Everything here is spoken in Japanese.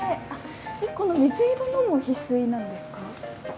この水色のもヒスイなんですか？